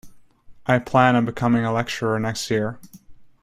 I plan on becoming a lecturer next year.